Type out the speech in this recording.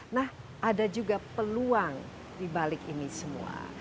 nah ada juga peluang di balik ini semua